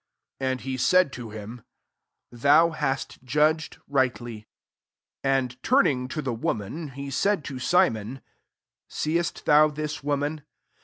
'* And he said to him, « Thou hast judged lightly." 44 And turning to the wo man, he said to Simon, Seest thou this woman